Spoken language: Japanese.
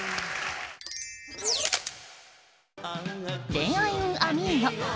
「恋愛運アミーゴ！！」